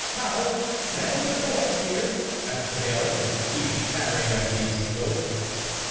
how ! man with the boar spear ?" asked the Bailiff, his teeth chattering as he spoke.